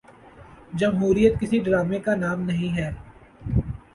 جمہوریت کسی ڈرامے کا نام نہیں ہے۔